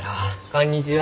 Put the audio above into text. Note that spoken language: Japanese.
こんにちは。